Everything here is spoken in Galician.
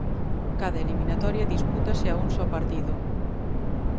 Cada eliminatoria dispútase a un só partido.